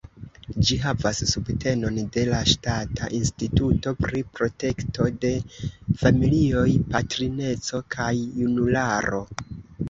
Ĝi havas subtenon de la Ŝtata Instituto pri Protekto de Familioj, Patrineco kaj Junularo.